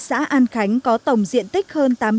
cả xã anh khánh có tổng diện tích hơn tám trăm năm mươi hectare